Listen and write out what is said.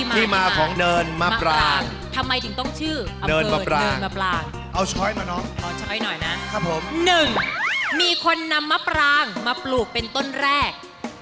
๑มีคนนำมะปลางมาปลูกเป็นต้นแรก